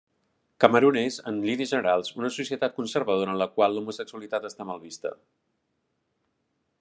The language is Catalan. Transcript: Camerun és, en línies generals, una societat conservadora en la qual l'homosexualitat està mal vista.